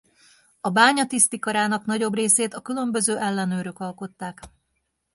A bánya tisztikarának nagyobb részét a különböző ellenőrök alkották.